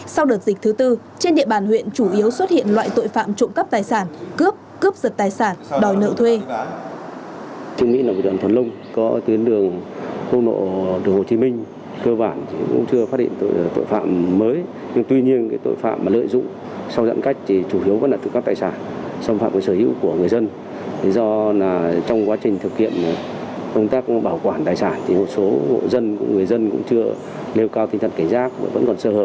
sau đợt dịch thứ tư trên địa bàn huyện chủ yếu xuất hiện loại tội phạm trộm cắp tài sản cướp cướp giật tài sản đòi nợ thuê